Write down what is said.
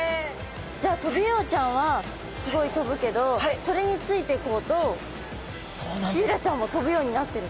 じゃあトビウオちゃんはすごい飛ぶけどそれについてこうとシイラちゃんも飛ぶようになってるってこと？